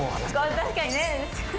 確かにね。